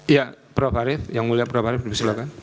ya prof arief yang mulia prof arief silakan